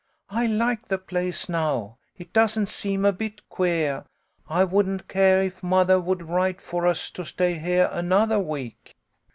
I like the place now, it doesn't seem a bit queah. I wouldn't care if mothah would write for us to stay heah anothah week."